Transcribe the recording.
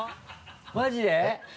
マジで？